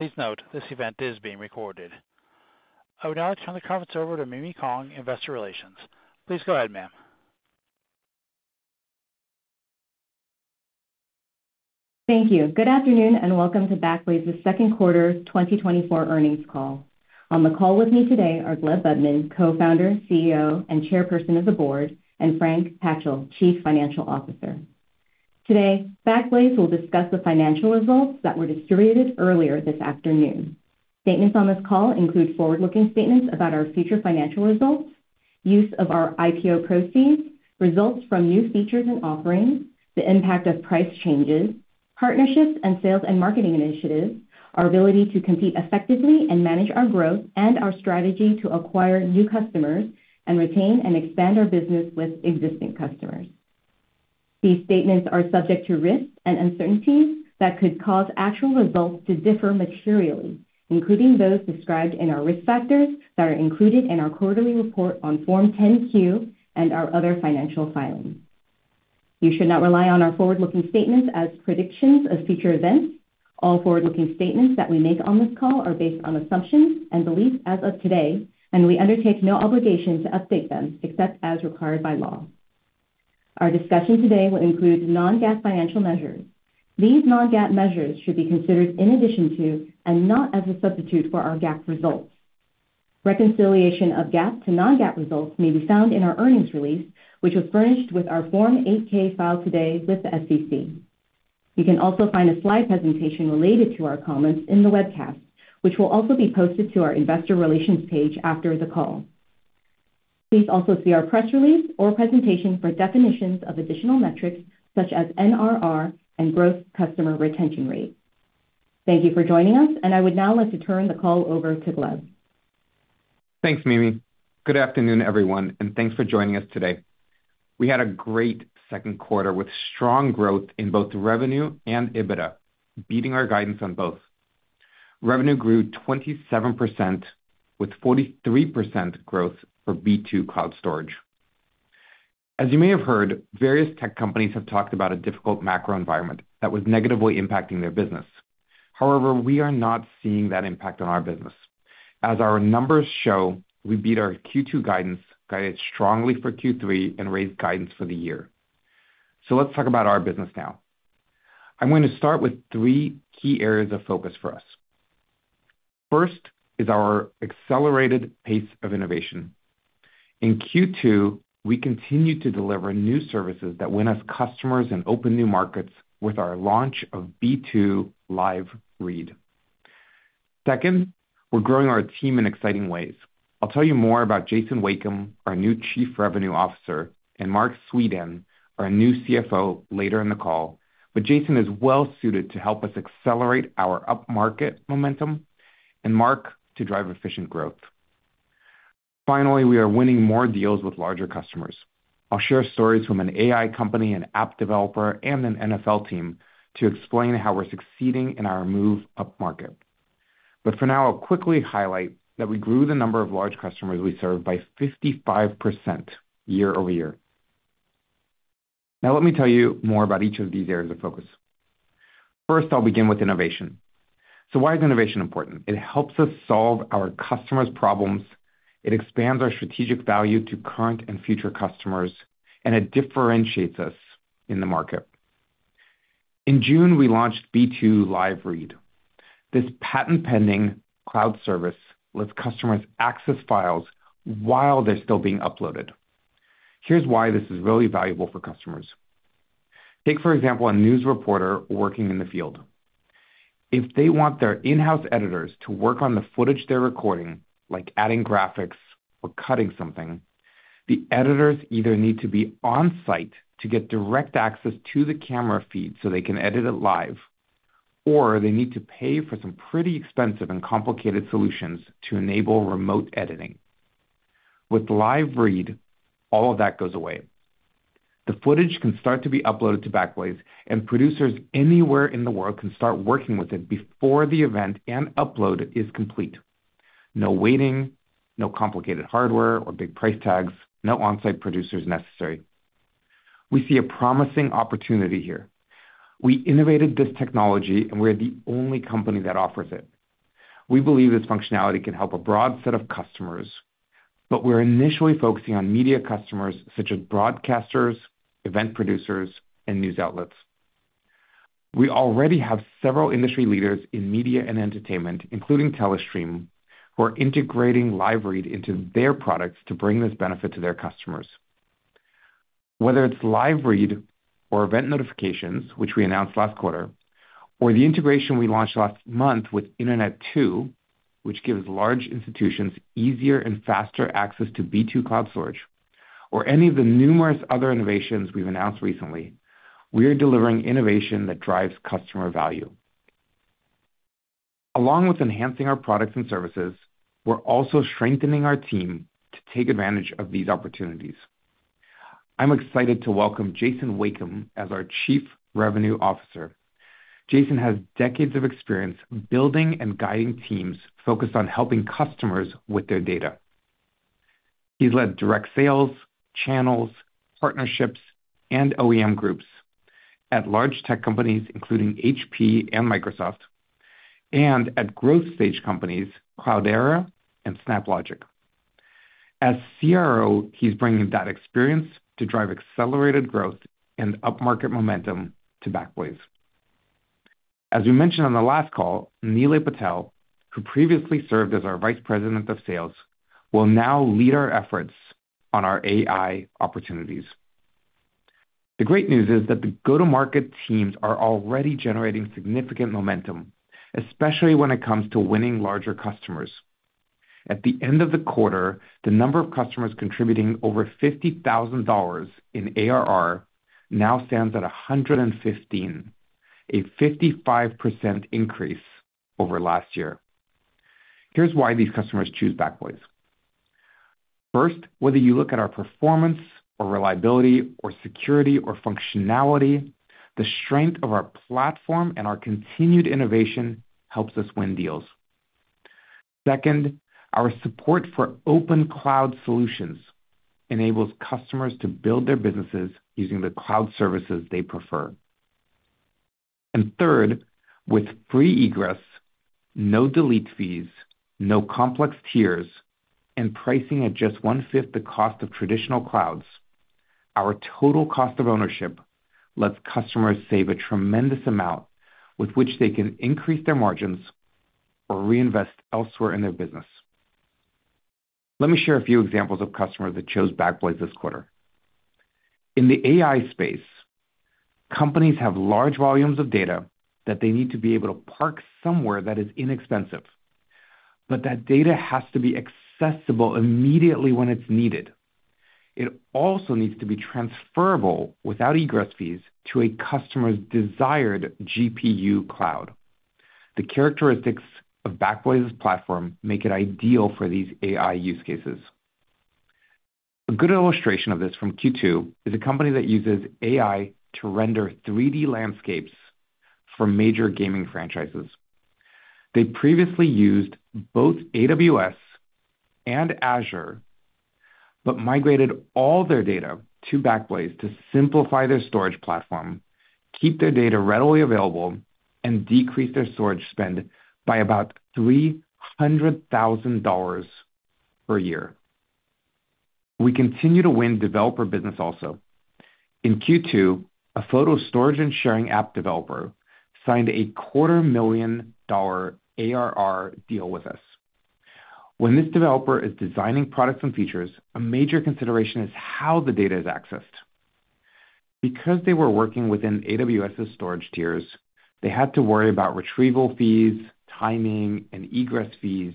Please note, this event is being recorded. I would now turn the conference over to Mimi Kong, Investor Relations. Please go ahead, ma'am. Thank you. Good afternoon, and welcome to Backblaze's Second Quarter 2024 Earnings Call. On the call with me today are Gleb Budman, Co-founder, CEO, and Chairperson of the Board, and Frank Patchell, Chief Financial Officer. Today, Backblaze will discuss the financial results that were distributed earlier this afternoon. Statements on this call include forward-looking statements about our future financial results, use of our IPO proceeds, results from new features and offerings, the impact of price changes, partnerships and sales and marketing initiatives, our ability to compete effectively and manage our growth, and our strategy to acquire new customers and retain and expand our business with existing customers. These statements are subject to risks and uncertainties that could cause actual results to differ materially, including those described in our risk factors that are included in our quarterly report on Form 10-Q and our other financial filings. You should not rely on our forward-looking statements as predictions of future events. All forward-looking statements that we make on this call are based on assumptions and beliefs as of today, and we undertake no obligation to update them except as required by law. Our discussion today will include non-GAAP financial measures. These non-GAAP measures should be considered in addition to and not as a substitute for our GAAP results. Reconciliation of GAAP to non-GAAP results may be found in our earnings release, which was furnished with our Form 8-K filed today with the SEC. You can also find a slide presentation related to our comments in the webcast, which will also be posted to our investor relations page after the call. Please also see our press release or presentation for definitions of additional metrics, such as and gross customer retention rate. Thank you for joining us, and I would now like to turn the call over to Gleb. Thanks, Mimi. Good afternoon, everyone, and thanks for joining us today. We had a great second quarter with strong growth in both revenue and EBITDA, beating our guidance on both. Revenue grew 27%, with 43% growth for B2 Cloud Storage. As you may have heard, various tech companies have talked about a difficult macro environment that was negatively impacting their business. However, we are not seeing that impact on our business. As our numbers show, we beat our Q2 guidance, guided strongly for Q3, and raised guidance for the year. So let's talk about our business now. I'm going to start with three key areas of focus for us. First is our accelerated pace of innovation. In Q2, we continued to deliver new services that win us customers and open new markets with our launch of B2 Live Read. Second, we're growing our team in exciting ways. I'll tell you more about Jason Wakeam, our new Chief Revenue Officer, and Marc Suidan, our new CFO, later in the call. But Jason is well-suited to help us accelerate our upmarket momentum and Marc to drive efficient growth. Finally, we are winning more deals with larger customers. I'll share stories from an AI company, an app developer, and an NFL team to explain how we're succeeding in our move upmarket. But for now, I'll quickly highlight that we grew the number of large customers we serve by 55% year-over-year. Now, let me tell you more about each of these areas of focus. First, I'll begin with innovation. So why is innovation important? It helps us solve our customers' problems, it expands our strategic value to current and future customers, and it differentiates us in the market. In June, we launched B2 Live Read. This patent-pending cloud service lets customers access files while they're still being uploaded. Here's why this is really valuable for customers. Take, for example, a news reporter working in the field. If they want their in-house editors to work on the footage they're recording, like adding graphics or cutting something, the editors either need to be on-site to get direct access to the camera feed so they can edit it live, or they need to pay for some pretty expensive and complicated solutions to enable remote editing. With Live Read, all of that goes away. The footage can start to be uploaded to Backblaze, and producers anywhere in the world can start working with it before the event and upload is complete. No waiting, no complicated hardware or big price tags, no on-site producers necessary. We see a promising opportunity here. We innovated this technology, and we're the only company that offers it. We believe this functionality can help a broad set of customers, but we're initially focusing on media customers such as broadcasters, event producers, and news outlets. We already have several industry leaders in media and entertainment, including Telestream, who are integrating Live Read into their products to bring this benefit to their customers. Whether it's Live Read or event notifications, which we announced last quarter, or the integration we launched last month with Internet2, which gives large institutions easier and faster access to B2 Cloud Storage, or any of the numerous other innovations we've announced recently, we are delivering innovation that drives customer value. Along with enhancing our products and services, we're also strengthening our team to take advantage of these opportunities. I'm excited to welcome Jason Wakeam as our Chief Revenue Officer. Jason has decades of experience building and guiding teams focused on helping customers with their data. He's led direct sales, channels, partnerships, and OEM groups at large tech companies, including HP and Microsoft, and at growth stage companies, Cloudera and SnapLogic. As CRO, he's bringing that experience to drive accelerated growth and upmarket momentum to Backblaze. As we mentioned on the last call, Nilay Patel, who previously served as our Vice President of Sales, will now lead our efforts on our AI opportunities. The great news is that the go-to-market teams are already generating significant momentum, especially when it comes to winning larger customers. At the end of the quarter, the number of customers contributing over $50,000 in ARR now stands at 115, a 55% increase over last year. Here's why these customers choose Backblaze. First, whether you look at our performance or reliability or security or functionality, the strength of our platform and our continued innovation helps us win deals. Second, our support for open cloud solutions enables customers to build their businesses using the cloud services they prefer. And third, with free egress, no delete fees, no complex tiers, and pricing at just 1/5 the cost of traditional clouds, our total cost of ownership lets customers save a tremendous amount with which they can increase their margins or reinvest elsewhere in their business. Let me share a few examples of customers that chose Backblaze this quarter. In the AI space, companies have large volumes of data that they need to be able to park somewhere that is inexpensive, but that data has to be accessible immediately when it's needed. It also needs to be transferable without egress fees to a customer's desired GPU cloud. The characteristics of Backblaze's platform make it ideal for these AI use cases. A good illustration of this from Q2 is a company that uses AI to render 3D landscapes for major gaming franchises. They previously used both AWS and Azure, but migrated all their data to Backblaze to simplify their storage platform, keep their data readily available, and decrease their storage spend by about $300,000 per year. We continue to win developer business also. In Q2, a photo storage and sharing app developer signed a $250,000 ARR deal with us. When this developer is designing products and features, a major consideration is how the data is accessed. Because they were working within AWS's storage tiers, they had to worry about retrieval fees, timing, and egress fees,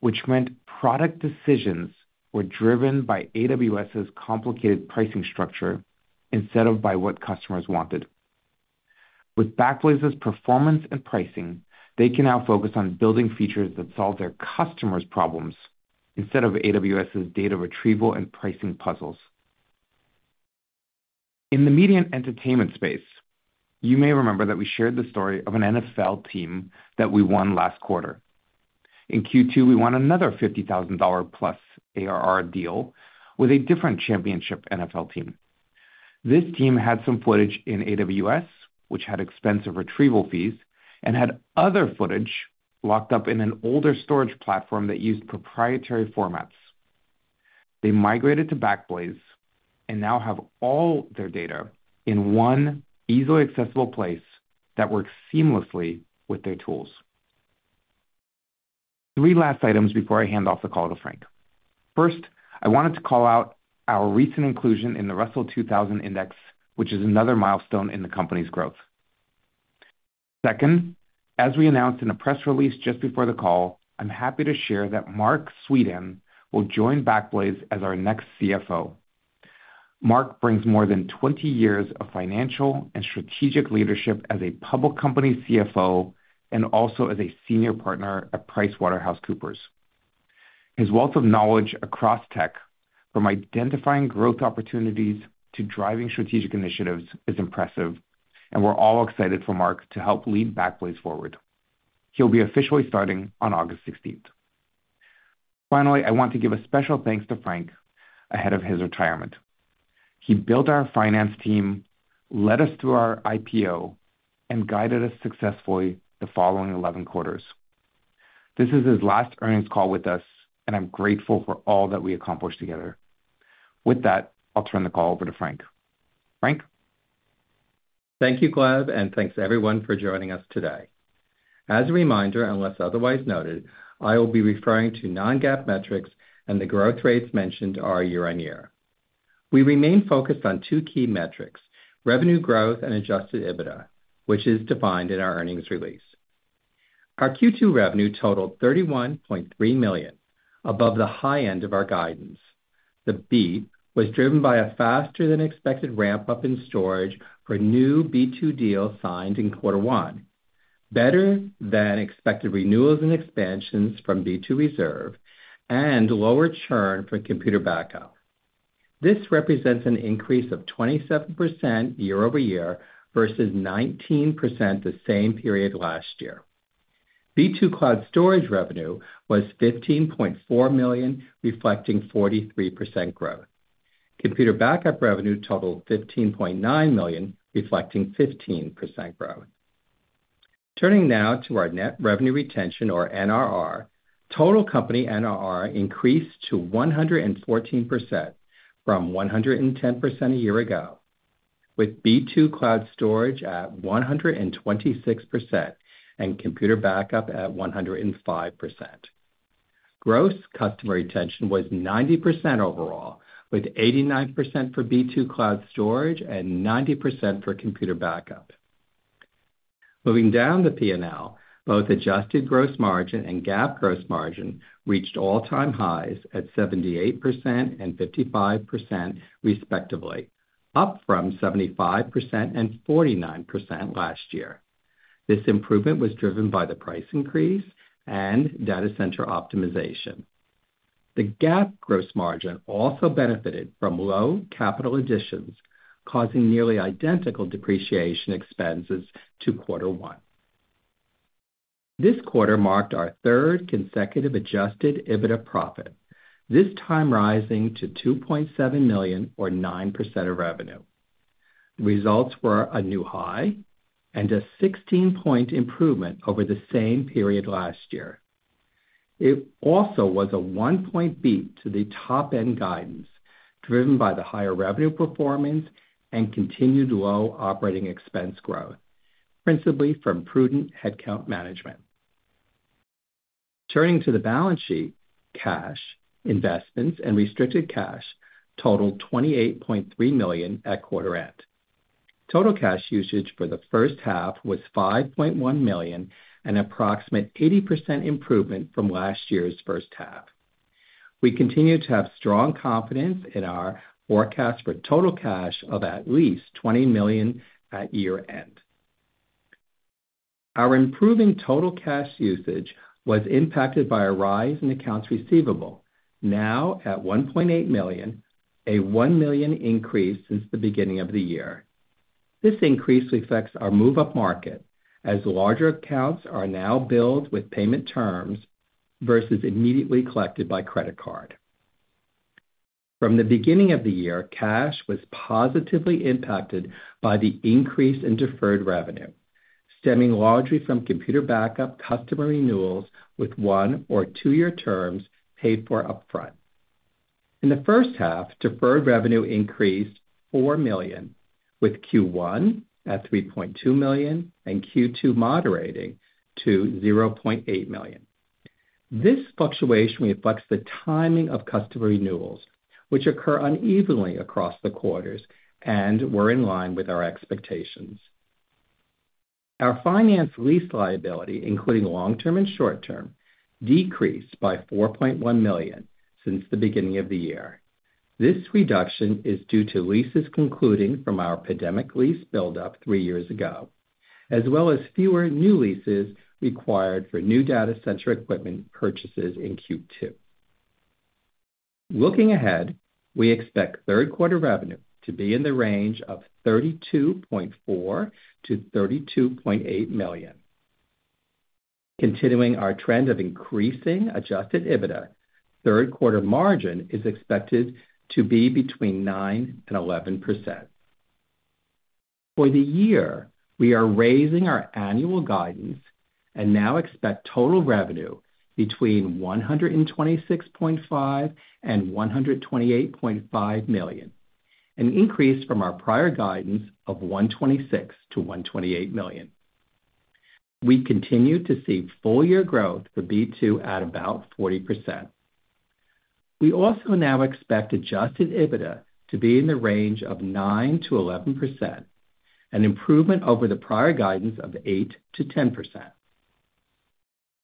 which meant product decisions were driven by AWS's complicated pricing structure instead of by what customers wanted. With Backblaze's performance and pricing, they can now focus on building features that solve their customers' problems instead of AWS's data retrieval and pricing puzzles. In the media and entertainment space, you may remember that we shared the story of an NFL team that we won last quarter. In Q2, we won another $50,000+ ARR deal with a different championship NFL team. This team had some footage in AWS, which had expensive retrieval fees, and had other footage locked up in an older storage platform that used proprietary formats. They migrated to Backblaze and now have all their data in one easily accessible place that works seamlessly with their tools. Three last items before I hand off the call to Frank. First, I wanted to call out our recent inclusion in the Russell 2000 Index, which is another milestone in the company's growth. Second, as we announced in a press release just before the call, I'm happy to share that Marc Suidan will join Backblaze as our next CFO. Marc brings more than 20 years of financial and strategic leadership as a public company CFO and also as a senior partner at PricewaterhouseCoopers. His wealth of knowledge across tech, from identifying growth opportunities to driving strategic initiatives, is impressive, and we're all excited for Marc to help lead Backblaze forward. He'll be officially starting on August sixteenth. Finally, I want to give a special thanks to Frank ahead of his retirement. He built our finance team, led us through our IPO, and guided us successfully the following 11 quarters. This is his last earnings call with us, and I'm grateful for all that we accomplished together. With that, I'll turn the call over to Frank. Frank? Thank you, Gleb, and thanks to everyone for joining us today. As a reminder, unless otherwise noted, I will be referring to non-GAAP metrics, and the growth rates mentioned are year-over-year. We remain focused on two key metrics, revenue growth and adjusted EBITDA, which is defined in our earnings release. Our Q2 revenue totaled $31.3 million, above the high end of our guidance. The beat was driven by a faster than expected ramp-up in storage for new B2 deals signed in quarter one, better than expected renewals and expansions from B2 Reserve, and lower churn for Computer Backup. This represents an increase of 27% year-over-year versus 19% the same period last year. B2 Cloud Storage revenue was $15.4 million, reflecting 43% growth. Computer Backup revenue totaled $15.9 million, reflecting 15% growth. Turning now to our net revenue retention, or NRR, total company NRR increased to 114% from 110% a year ago, with B2 Cloud Storage at 126% and Computer Backup gross customer retention was 90% overall, with 89% for B2 Cloud Storage and 90% for Computer Backup. Moving down the PNL, both adjusted gross margin and GAAP gross margin reached all-time highs at 78% and 55%, respectively, up from 75% and 49% last year. This improvement was driven by the price increase and data center optimization. The GAAP gross margin also benefited from low capital additions, causing nearly identical depreciation expenses to quarter one. This quarter marked our third consecutive adjusted EBITDA profit, this time rising to $2.7 million, or 9% of revenue. Results were a new high and a 16-point improvement over the same period last year. It also was a 1-point beat to the top-end guidance, driven by the higher revenue performance and continued low operating expense growth, principally from prudent headcount management. Turning to the balance sheet, cash, investments, and restricted cash totaled $28.3 million at quarter end. Total cash usage for the first half was $5.1 million, an approximate 80% improvement from last year's first half. We continue to have strong confidence in our forecast for total cash of at least $20 million at year-end. Our improving total cash usage was impacted by a rise in accounts receivable, now at $1.8 million, a $1 million increase since the beginning of the year. This increase reflects our move upmarket, as larger accounts are now billed with payment terms versus immediately collected by credit card. From the beginning of the year, cash was positively impacted by the increase in deferred revenue, stemming largely from computer backup customer renewals with 1- or 2-year terms paid for upfront. In the first half, deferred revenue increased $4 million, with Q1 at $3.2 million and Q2 moderating to $0.8 million. This fluctuation reflects the timing of customer renewals, which occur unevenly across the quarters and were in line with our expectations. Our finance lease liability, including long-term and short-term, decreased by $4.1 million since the beginning of the year. This reduction is due to leases concluding from our pandemic lease buildup three years ago, as well as fewer new leases required for new data center equipment purchases in Q2. Looking ahead, we expect third quarter revenue to be in the range of $32.4 million-$32.8 million. Continuing our trend of increasing Adjusted EBITDA, third quarter margin is expected to be between 9% and 11%. For the year, we are raising our annual guidance and now expect total revenue between $126.5 million and $128.5 million, an increase from our prior guidance of $126 million-$128 million. We continue to see full-year growth for B2 at about 40%. We also now expect Adjusted EBITDA to be in the range of 9%-11%, an improvement over the prior guidance of 8%-10%.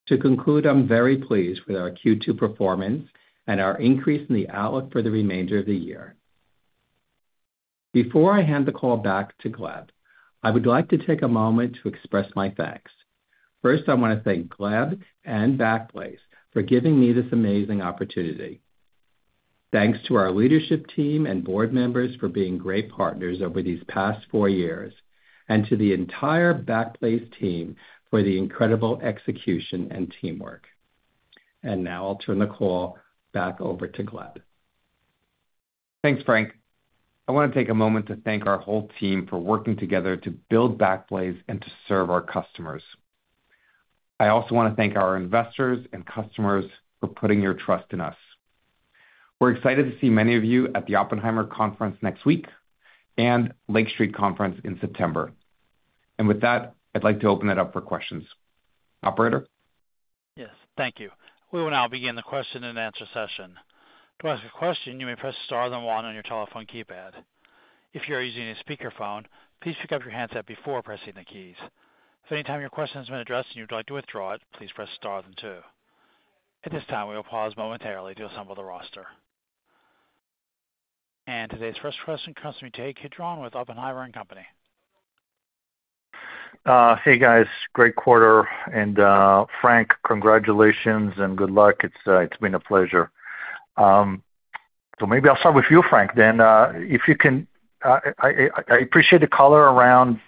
To conclude, I'm very pleased with our Q2 performance and our increase in the outlook for the remainder of the year. Before I hand the call back to Gleb, I would like to take a moment to express my thanks. First, I want to thank Gleb and Backblaze for giving me this amazing opportunity. Thanks to our leadership team and board members for being great partners over these past four years, and to the entire Backblaze team for the incredible execution and teamwork. Now I'll turn the call back over to Gleb. Thanks, Frank. I want to take a moment to thank our whole team for working together to build Backblaze and to serve our customers. I also want to thank our investors and customers for putting your trust in us. We're excited to see many of you at the Oppenheimer conference next week and Lake Street Conference in September. With that, I'd like to open it up for questions. Operator? Yes, thank you. We will now begin the question-and-answer session. To ask a question, you may press star then one on your telephone keypad. If you are using a speakerphone, please pick up your handset before pressing the keys. If any time your question has been addressed and you'd like to withdraw it, please press star then two. At this time, we will pause momentarily to assemble the roster. Today's first question comes from Ittai Kidron with Oppenheimer & Co. Hey, guys, great quarter, and Frank, congratulations and good luck. It's been a pleasure. So maybe I'll start with you, Frank, then if you can, I appreciate the color around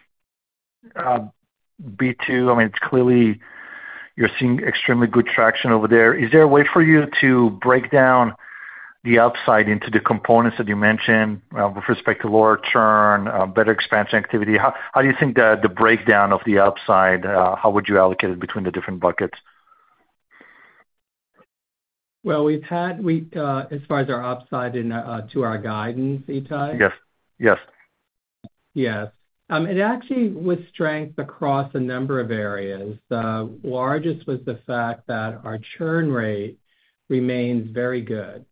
B2. I mean, it's clearly you're seeing extremely good traction over there. Is there a way for you to break down the upside into the components that you mentioned with respect to lower churn, better expansion activity? How do you think the breakdown of the upside, how would you allocate it between the different buckets? Well, we've had as far as our upside in to our guidance, Ittai? Yes. Yes. Yes. It actually was strength across a number of areas. The largest was the fact that our churn rate remains very good,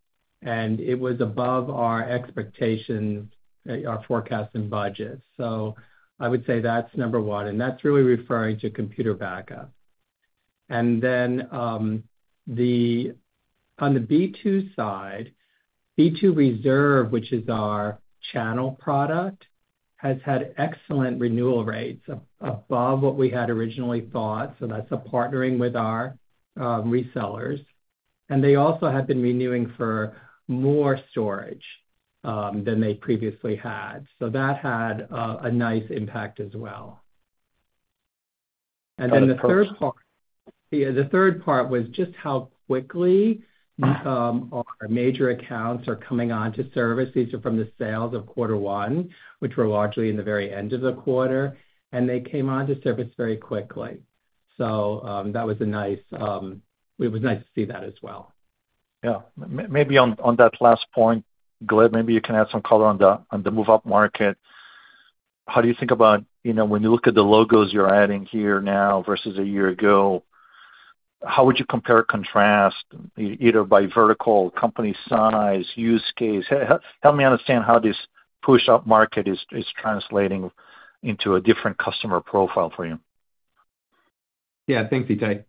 and it was above our expectations, our forecast and budget. So I would say that's number one, and that's really referring to Computer Backup. And then, on the B2 side, B2 Reserve, which is our channel product, has had excellent renewal rates, above what we had originally thought, so that's partnering with our resellers. And they also have been renewing for more storage than they previously had. So that had a nice impact as well. And then the third part, yeah, the third part was just how quickly our major accounts are coming onto service. These are from the sales of quarter one, which were largely in the very end of the quarter, and they came onto service very quickly. So, that was a nice, it was nice to see that as well. Yeah. Maybe on that last point, Gleb, maybe you can add some color on the move upmarket. How do you think about, you know, when you look at the logos you're adding here now versus a year ago, how would you compare or contrast either by vertical, company size, use case? Help me understand how this push upmarket is translating into a different customer profile for you. Yeah, thanks, Ittai.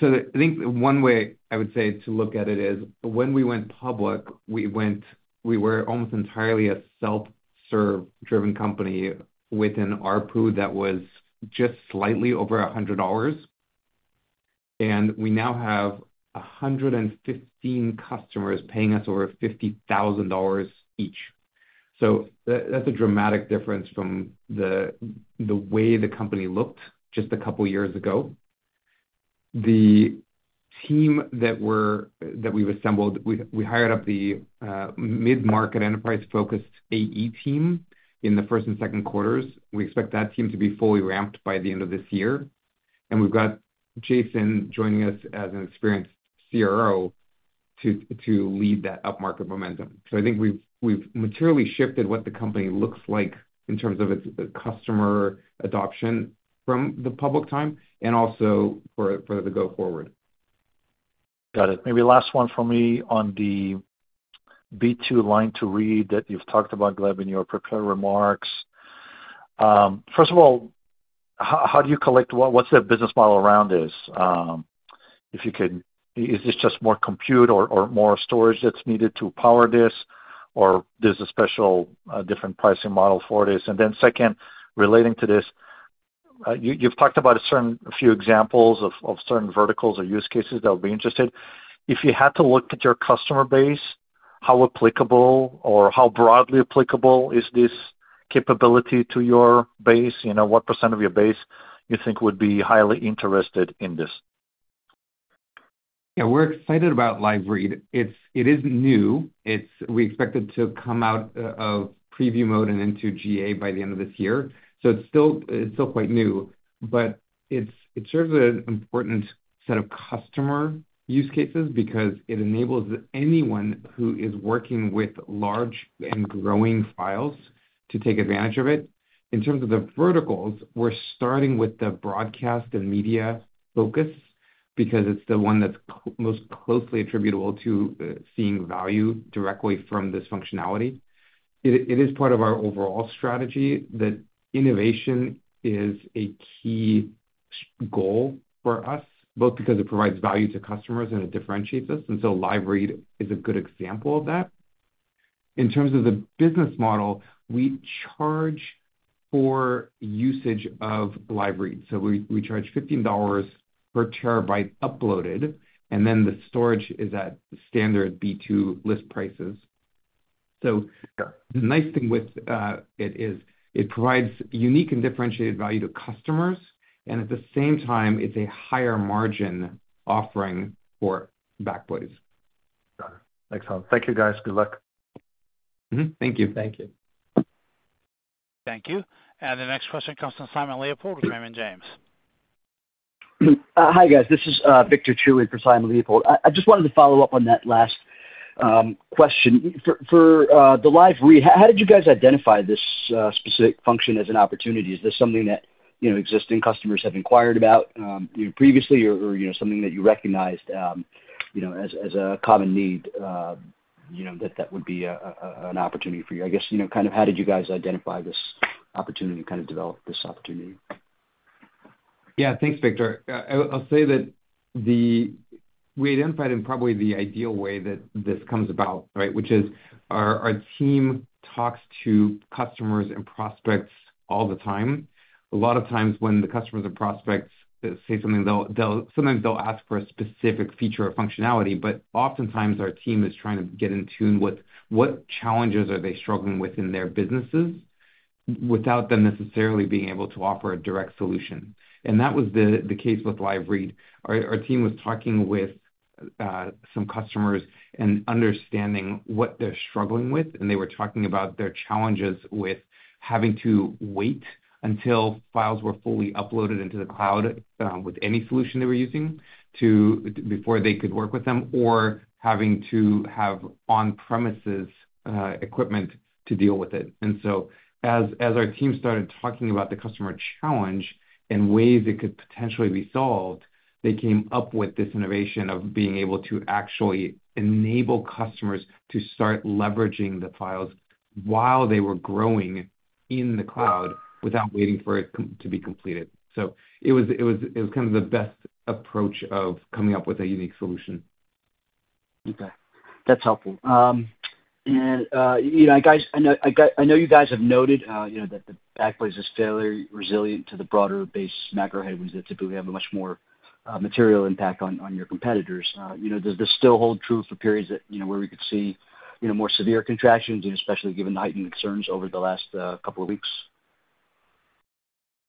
So I think one way I would say to look at it is, when we went public, we were almost entirely a self-serve driven company with an ARPU that was just slightly over $100, and we now have 115 customers paying us over $50,000 each. So that's a dramatic difference from the way the company looked just a couple years ago. The team that we've assembled, we hired up the mid-market enterprise-focused AE team in the first and second quarters. We expect that team to be fully ramped by the end of this year. And we've got Jason joining us as an experienced CRO to lead that upmarket momentum. So I think we've materially shifted what the company looks like in terms of its customer adoption from the public time and also for the go forward. Got it. Maybe last one for me on the B2 Live Read that you've talked about, Gleb, in your prepared remarks. First of all, how do you collect—what's the business model around this? If you could, is this just more compute or more storage that's needed to power this, or there's a special different pricing model for this? And then second, relating to this, you've talked about a few examples of certain verticals or use cases that would be interested. If you had to look at your customer base, how applicable or how broadly applicable is this capability to your base? You know, what percent of your base you think would be highly interested in this? Yeah, we're excited about Live Read. It's, it is new. It's, we expect it to come out of preview mode and into GA by the end of this year. So it's still, it's still quite new, but it's, it serves an important set of customer use cases because it enables anyone who is working with large and growing files to take advantage of it. In terms of the verticals, we're starting with the broadcast and media focus because it's the one that's most closely attributable to, seeing value directly from this functionality. It, it is part of our overall strategy that innovation is a key goal for us, both because it provides value to customers and it differentiates us, and so Live Read is a good example of that. In terms of the business model, we charge for usage of Live Read. So we charge $15 per TB uploaded, and then the storage is at standard B2 list prices. So the nice thing with it is, it provides unique and differentiated value to customers, and at the same time, it's a higher margin offering for Backblaze. Got it. Excellent. Thank you, guys. Good luck. Mm-hmm. Thank you. Thank you. Thank you. The next question comes from Simon Leopold with Raymond James. Hi, guys. This is Victor Chiu with, for Simon Leopold. I just wanted to follow up on that last question. For the Live Read, how did you guys identify this specific function as an opportunity? Is this something that, you know, existing customers have inquired about, you know, previously or, or, you know, something that you recognized, you know, as a common need, you know, that would be an opportunity for you? I guess, you know, kind of how did you guys identify this opportunity and kind of develop this opportunity?... Yeah, thanks, Victor. I, I'll say that we identified in probably the ideal way that this comes about, right? Which is our, our team talks to customers and prospects all the time. A lot of times when the customers or prospects say something, they'll sometimes they'll ask for a specific feature or functionality, but oftentimes their team is trying to get in tune with what challenges are they struggling with in their businesses, without them necessarily being able to offer a direct solution. And that was the, the case with Live Read. Our team was talking with some customers and understanding what they're struggling with, and they were talking about their challenges with having to wait until files were fully uploaded into the cloud with any solution they were using, to before they could work with them, or having to have on-premises equipment to deal with it. And so as our team started talking about the customer challenge and ways it could potentially be solved, they came up with this innovation of being able to actually enable customers to start leveraging the files while they were growing in the cloud, without waiting for it to be completed. So it was kind of the best approach of coming up with a unique solution. Okay, that's helpful. You know, guys, I know you guys have noted, you know, that Backblaze is fairly resilient to the broader-based macro headwinds that typically have a much more material impact on, on your competitors. You know, does this still hold true for periods that, you know, where we could see, you know, more severe contractions, and especially given the heightened concerns over the last couple of weeks?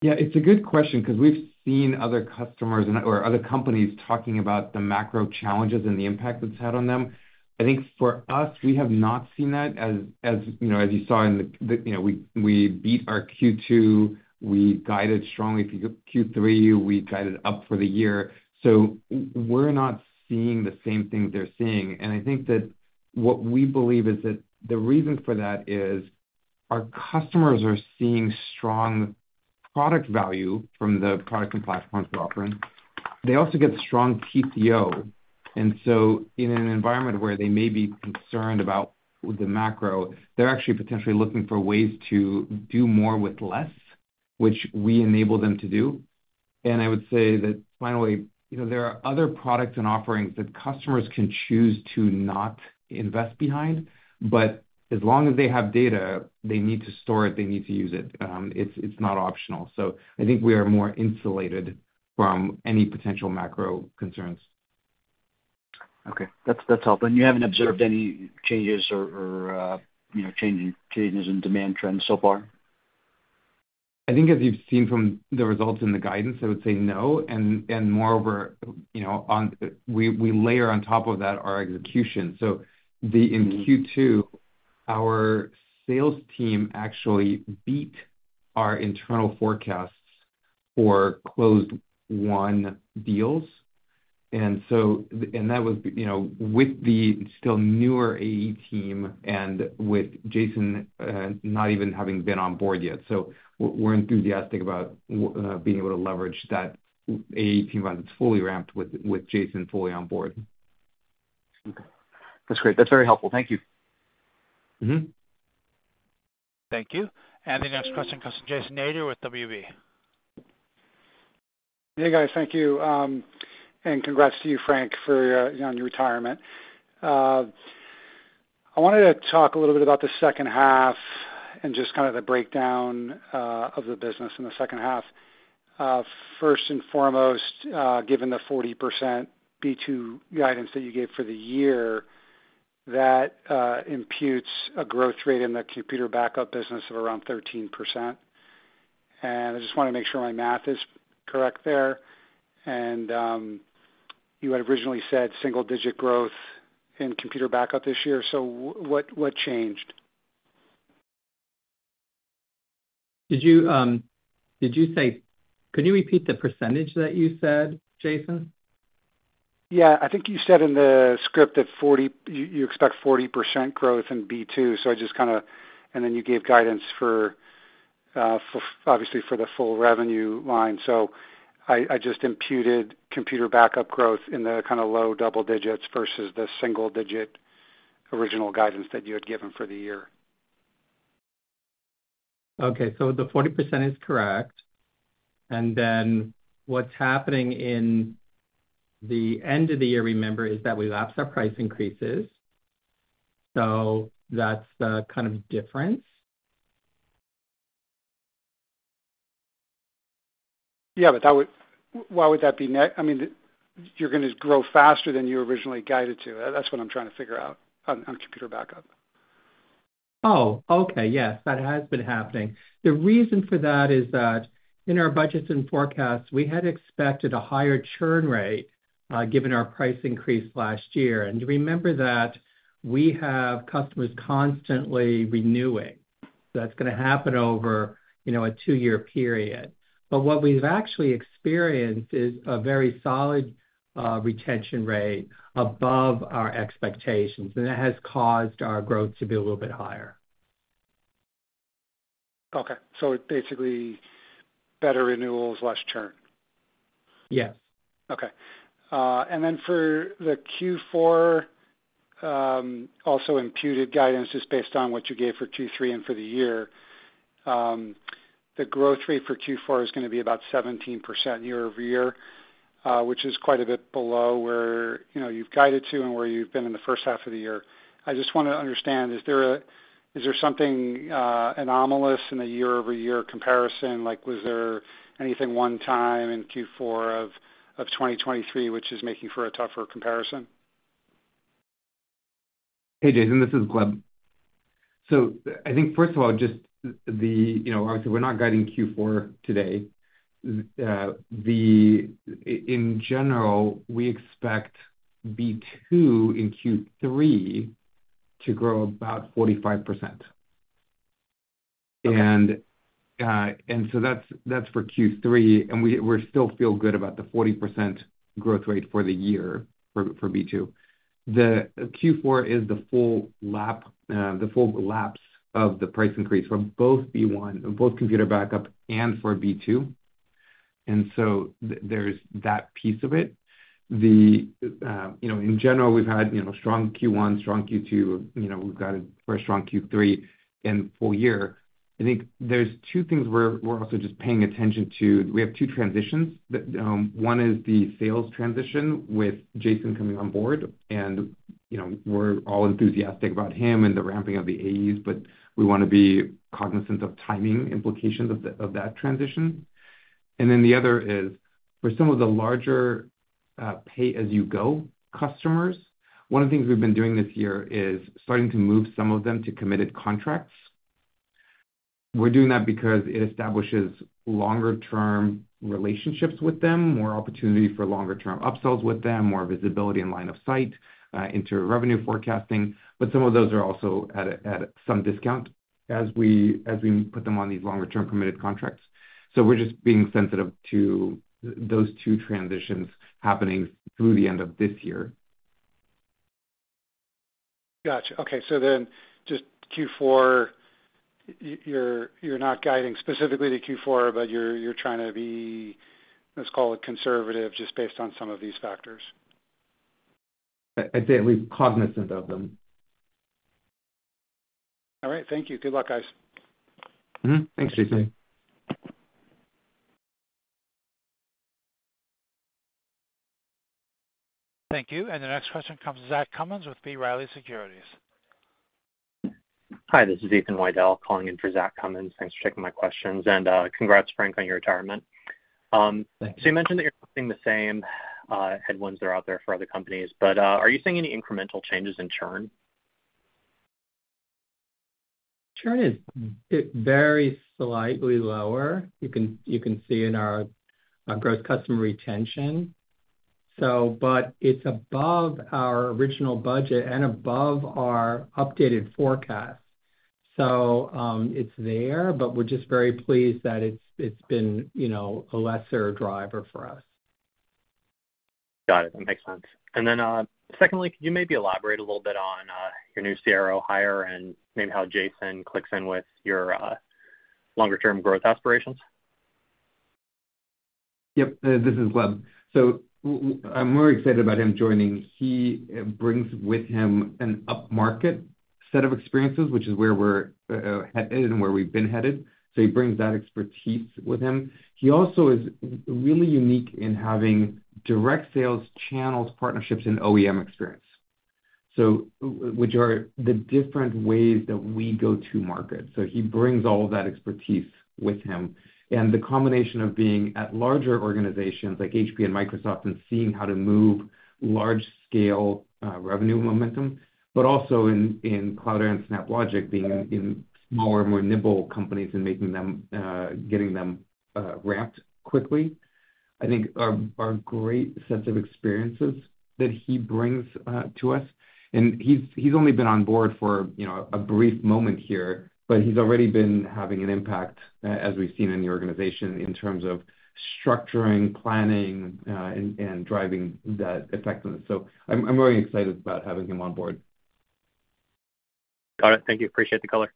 Yeah, it's a good question, 'cause we've seen other customers and/or other companies talking about the macro challenges and the impact it's had on them. I think for us, we have not seen that as you know, as you saw in the you know, we beat our Q2, we guided strongly for Q3, we guided up for the year. So we're not seeing the same things they're seeing. And I think that what we believe is that the reason for that is our customers are seeing strong product value from the product and platforms we're offering. They also get strong TCO. And so in an environment where they may be concerned about the macro, they're actually potentially looking for ways to do more with less, which we enable them to do. I would say that finally, you know, there are other products and offerings that customers can choose to not invest behind, but as long as they have data, they need to store it, they need to use it. It's not optional. So I think we are more insulated from any potential macro concerns. Okay, that's, that's helpful. You haven't observed any changes or, you know, changes in demand trends so far? I think as you've seen from the results in the guidance, I would say no. And moreover, you know, on—we, we layer on top of that our execution. So in Q2, our sales team actually beat our internal forecasts for closed one deals. And so—and that was, you know, with the still newer AE team and with Jason not even having been on board yet. So we're enthusiastic about being able to leverage that AE team once it's fully ramped with Jason fully on board. Okay. That's great. That's very helpful. Thank you. Mm-hmm. Thank you. And the next question comes from Jason Ader with William Blair. Hey, guys. Thank you. And congrats to you, Frank, for on your retirement. I wanted to talk a little bit about the second half and just kind of the breakdown of the business in the second half. First and foremost, given the 40% B2 guidance that you gave for the year, that imputes a growth rate in the computer backup business of around 13%. And I just wanna make sure my math is correct there. And you had originally said single-digit growth in computer backup this year, so w-what, what changed? Did you, did you say, could you repeat the percentage that you said, Jason? Yeah. I think you said in the script that you expect 40% growth in B2, so I just kind of... And then you gave guidance for obviously the full revenue line. So I just imputed computer backup growth in the kind of low double digits versus the single-digit original guidance that you had given for the year. Okay. So the 40% is correct. And then what's happening in the end of the year, remember, is that we lapse our price increases, so that's the kind of difference. Yeah, but that would—why would that be new? I mean, you're gonna grow faster than you originally guided to. That's what I'm trying to figure out on computer backup. Oh, okay. Yes, that has been happening. The reason for that is that in our budgets and forecasts, we had expected a higher churn rate, given our price increase last year. And remember that we have customers constantly renewing. That's gonna happen over, you know, a two-year period. But what we've actually experienced is a very solid, retention rate above our expectations, and that has caused our growth to be a little bit higher. Okay. So basically, better renewals, less churn? Yes. Okay. And then for the Q4, also imputed guidance just based on what you gave for Q3 and for the year. The growth rate for Q4 is gonna be about 17% year-over-year, which is quite a bit below where, you know, you've guided to and where you've been in the first half of the year. I just wanna understand, is there a-- is there something anomalous in the year-over-year comparison? Like, was there anything one time in Q4 of twenty twenty-three, which is making for a tougher comparison? Hey, Jason, this is Gleb. So I think first of all, just the, you know, obviously, we're not guiding Q4 today. In general, we expect B2 in Q3 to grow about 45%. Okay. And so that's for Q3, and we still feel good about the 40% growth rate for the year for B2. The Q4 is the full lap, the full lapse of the price increase from both B1, both Computer Backup and for B2, and so there's that piece of it. You know, in general, we've had you know, strong Q1, strong Q2, you know, we've got a very strong Q3 and full year. I think there's two things we're also just paying attention to. We have two transitions. The one is the sales transition with Jason Wakeam coming on board, and you know, we're all enthusiastic about him and the ramping of the AEs, but we wanna be cognizant of timing implications of that transition. And then the other is, for some of the larger, pay-as-you-go customers, one of the things we've been doing this year is starting to move some of them to committed contracts. We're doing that because it establishes longer-term relationships with them, more opportunity for longer-term upsells with them, more visibility and line of sight into revenue forecasting, but some of those are also at some discount as we put them on these longer-term committed contracts. So we're just being sensitive to those two transitions happening through the end of this year. Gotcha. Okay, so then just Q4, you're not guiding specifically to Q4, but you're trying to be, let's call it conservative, just based on some of these factors. I'd say we're cognizant of them. All right. Thank you. Good luck, guys. Mm-hmm. Thanks, Jason. Thank you. The next question comes from Zach Cummins with B. Riley Securities. Hi, this is Ethan Widell calling in for Zach Cummins. Thanks for taking my questions, and congrats, Frank, on your retirement. Thanks. So you mentioned that you're seeing the same headwinds that are out there for other companies, but are you seeing any incremental changes in churn? Churn is very slightly lower. You can see gross customer retention. but it's above our original budget and above our updated forecast. So, it's there, but we're just very pleased that it's been, you know, a lesser driver for us. Got it. Makes sense. And then, secondly, can you maybe elaborate a little bit on your new CRO hire and maybe how Jason clicks in with your longer-term growth aspirations? Yep, this is Gleb. So I'm very excited about him joining. He brings with him an upmarket set of experiences, which is where we're headed and where we've been headed. So he brings that expertise with him. He also is really unique in having direct sales, channels, partnerships, and OEM experience, so which are the different ways that we go to market. So he brings all of that expertise with him. And the combination of being at larger organizations like HP and Microsoft and seeing how to move large-scale revenue momentum, but also in Cloudera and SnapLogic, being in smaller, more nimble companies and making them getting them ramped quickly, I think are great sets of experiences that he brings to us. He's, he's only been on board for, you know, a brief moment here, but he's already been having an impact, as we've seen in the organization in terms of structuring, planning, and driving that effectiveness. So I'm, I'm really excited about having him on board. Got it. Thank you. Appreciate the color.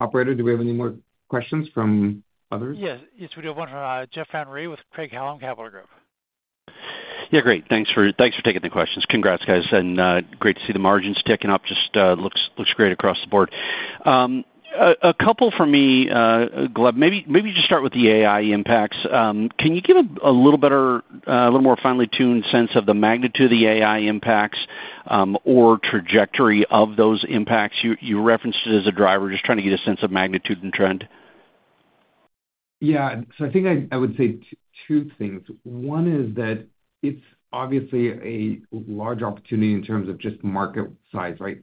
Operator, do we have any more questions from others? Yes. Yes, we do have one from, Jeff Van Rhee with Craig-Hallum Capital Group. Yeah, great. Thanks for taking the questions. Congrats, guys, and great to see the margins ticking up. Just looks great across the board. A couple for me, Gleb. Maybe just start with the AI impacts. Can you give a little better, a little more finely tuned sense of the magnitude of the AI impacts, or trajectory of those impacts? You referenced it as a driver. Just trying to get a sense of magnitude and trend. Yeah. So I think I would say two things. One is that it's obviously a large opportunity in terms of just market size, right?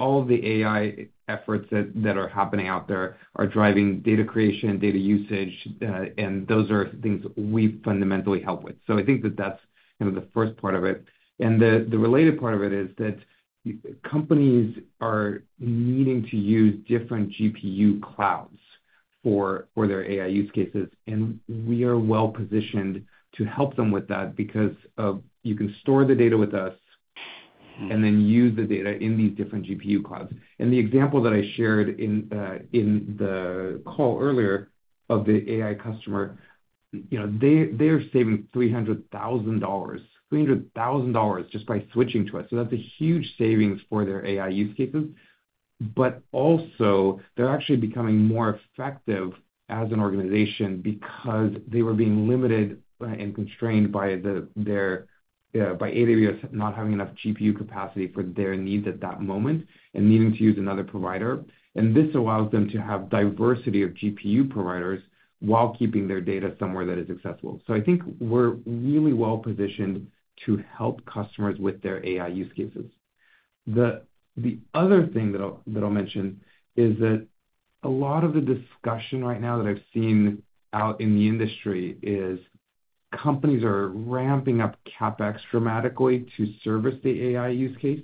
All the AI efforts that are happening out there are driving data creation, data usage, and those are things we fundamentally help with. So I think that that's kind of the first part of it. And the related part of it is that companies are needing to use different GPU clouds for their AI use cases, and we are well positioned to help them with that because you can store the data with us and then use the data in these different GPU clouds. And the example that I shared in the call earlier of the AI customer, you know, they, they are saving $300,000, $300,000 just by switching to us. So that's a huge savings for their AI use cases. But also, they're actually becoming more effective as an organization because they were being limited and constrained by AWS not having enough GPU capacity for their needs at that moment and needing to use another provider. And this allows them to have diversity of GPU providers while keeping their data somewhere that is accessible. So I think we're really well-positioned to help customers with their AI use cases. The other thing that I'll mention is that a lot of the discussion right now that I've seen out in the industry is companies are ramping up CapEx dramatically to service the AI use case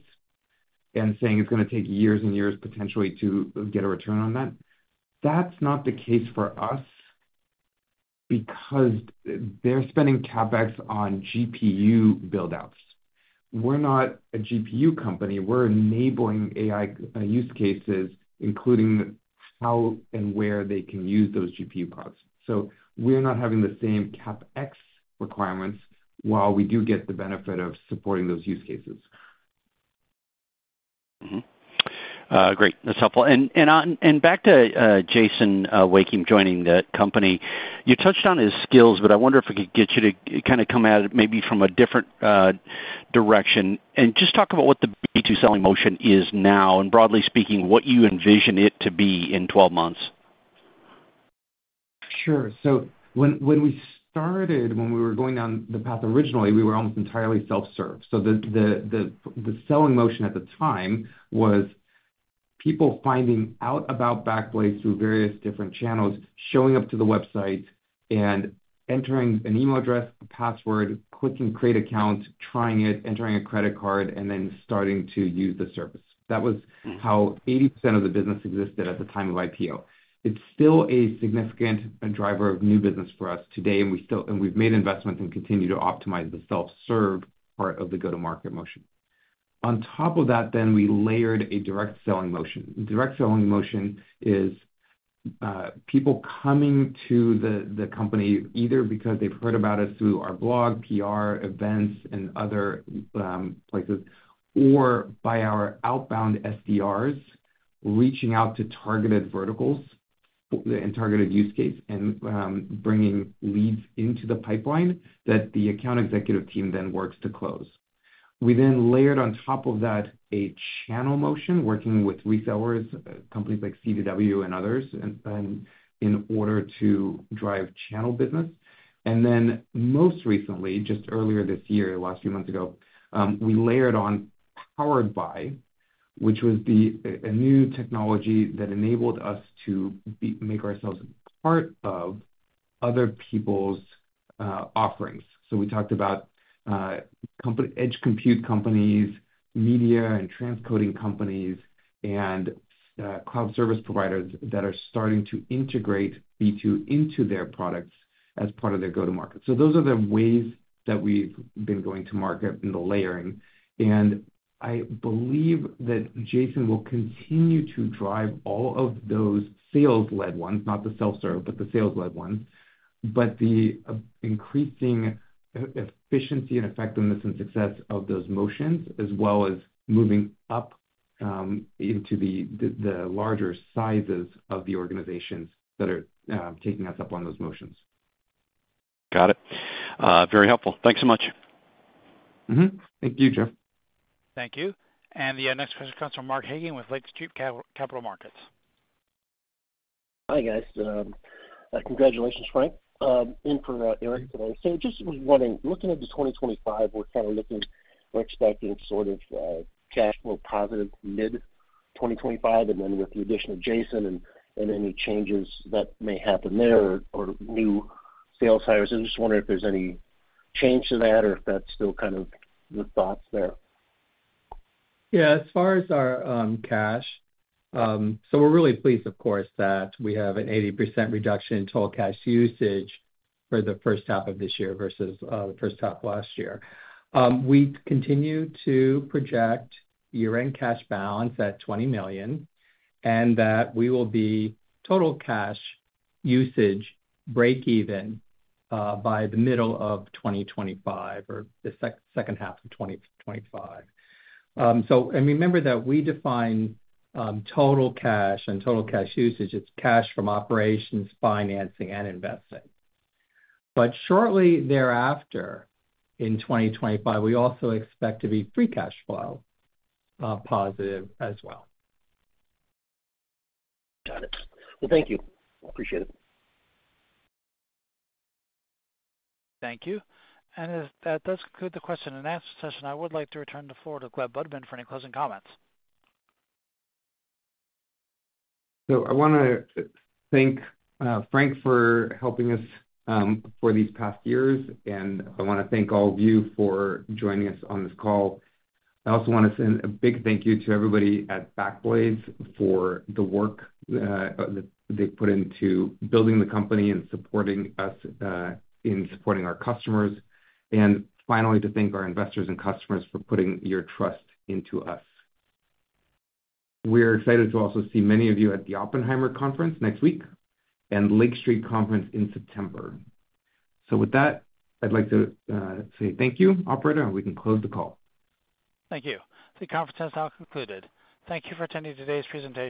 and saying it's gonna take years and years potentially to get a return on that. That's not the case for us, because they're spending CapEx on GPU build-outs. We're not a GPU company. We're enabling AI use cases, including how and where they can use those GPU pods. So we're not having the same CapEx requirements, while we do get the benefit of supporting those use cases. Mm-hmm. Great. That's helpful. Back to Jason Wakeam joining the company. You touched on his skills, but I wonder if I could get you to kind of come at it maybe from a different direction, and just talk about what the B2 selling motion is now, and broadly speaking, what you envision it to be in 12 months. Sure. So when we started, when we were going down the path originally, we were almost entirely self-serve. So the selling motion at the time was people finding out about Backblaze through various different channels, showing up to the website and entering an email address, password, clicking Create Account, trying it, entering a credit card, and then starting to use the service. That was. Mm-hmm. how 80% of the business existed at the time of IPO. It's still a significant driver of new business for us today, and we still, and we've made investments and continue to optimize the self-serve part of the go-to-market motion. On top of that, then, we layered a direct selling motion. Direct selling motion is, people coming to the, the company either because they've heard about us through our blog, PR, events, and other, places, or by our outbound SDRs, reaching out to targeted verticals and targeted use case, and, bringing leads into the pipeline that the account executive team then works to close. We then layered on top of that a channel motion, working with resellers, companies like CDW and others, and, in order to drive channel business. And then, most recently, just earlier this year, the last few months ago, we layered on Powered By, which was a new technology that enabled us to make ourselves part of other people's offerings. So we talked about companies, edge compute companies, media and transcoding companies, and cloud service providers that are starting to integrate B2 into their products as part of their go-to-market. So those are the ways that we've been going to market in the layering, and I believe that Jason will continue to drive all of those sales-led ones, not the self-serve, but the sales-led ones. But the increasing efficiency and effectiveness and success of those motions, as well as moving up into the larger sizes of the organizations that are taking us up on those motions. Got it. Very helpful. Thanks so much. Mm-hmm. Thank you, Jeff. Thank you. The next question comes from Mark Hagen with Lake Street Capital Markets. Hi, guys. Congratulations, Frank, and for Eric. So just was wondering, looking at the 2025, we're kind of looking or expecting sort of cash flow positive mid-2025, and then with the addition of Jason and any changes that may happen there or new sales hires. I'm just wondering if there's any change to that or if that's still kind of your thoughts there. Yeah, as far as our cash, so we're really pleased, of course, that we have an 80% reduction in total cash usage for the first half of this year versus the first half of last year. We continue to project year-end cash balance at $20 million, and that we will be total cash usage break even by the middle of 2025 or the second half of 2025. So... And remember that we define total cash and total cash usage, it's cash from operations, financing, and investing. But shortly thereafter, in 2025, we also expect to be free cash flow positive as well. Got it. Well, thank you. Appreciate it. Thank you. And if that does conclude the question and answer session, I would like to return the floor to Gleb Budman for any closing comments. So I wanna thank, Frank, for helping us, for these past years, and I wanna thank all of you for joining us on this call. I also wanna send a big thank you to everybody at Backblaze for the work, that they put into building the company and supporting us, in supporting our customers. And finally, to thank our investors and customers for putting your trust into us. We are excited to also see many of you at the Oppenheimer conference next week and Lake Street Conference in September. So with that, I'd like to, say thank you, operator, and we can close the call. Thank you. The conference has now concluded. Thank you for attending today's presentation.